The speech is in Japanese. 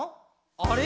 あれ？